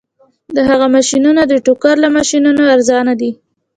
د هغه ماشینونه د ټوکر له ماشینونو ارزانه دي